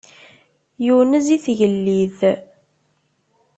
Yunez i tgellidt.